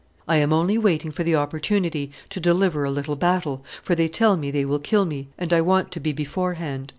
I am only waiting for the opportunity to deliver a little battle, for they tell me they will kill me, and I want to be beforehand."